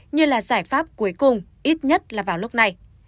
như là giải pháp cuối cùng ít nhất là vào lúc này